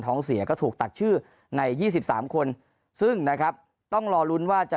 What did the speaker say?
เสียก็ถูกตัดชื่อใน๒๓คนซึ่งนะครับต้องรอลุ้นว่าจะ